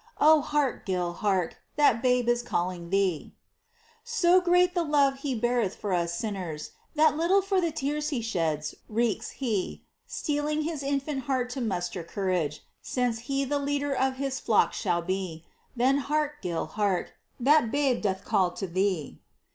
Oh hark, Gil, hark, that Babe is calling thee ! 48 MINOR WORKS OF ST. TERESA. So great the love He beareth for us sinners That little for the tears He sheds recks He, Steeling His infant heart to muster courage Since He the Leader of His flock shall be — Then hark, Gil, hark, that Babe doth call to thee